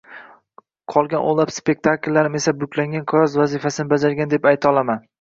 qolgan o‘nlab spektakllarimni esa “buklangan qog‘oz” vazifasini bajargan deb ayta olaman.